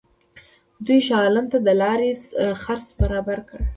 دوی شاه عالم ته د لارې خرڅ برابر کړي.